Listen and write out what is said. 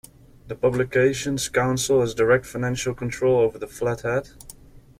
The Publications Council has direct financial control over the "Flat Hat".